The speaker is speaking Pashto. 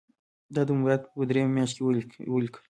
دا د ماموریت په دریمه میاشت کې یې ولیکل.